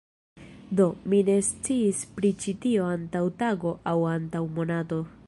Do, mi ne sciis pri ĉi tio antaŭ tago aŭ antaŭ monato.